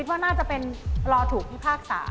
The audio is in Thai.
ว่าน่าจะเป็นรอถูกพิพากษา